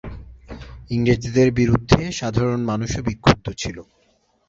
ইংরেজদের বিরুদ্ধে সাধারণ মানুষও বিক্ষুব্ধ ছিল।